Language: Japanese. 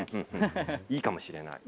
いいかもしれない。